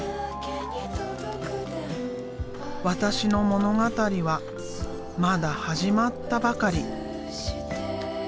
私の物語はまだ始まったばかり。